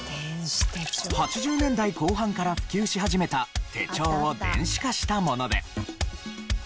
８０年代後半から普及し始めた手帳を電子化したもので。